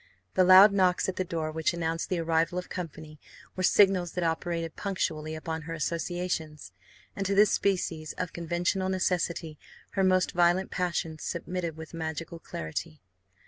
The loud knocks at the door, which announced the arrival of company, were signals that operated punctually upon her associations; and to this species of conventional necessity her most violent passions submitted with magical celerity.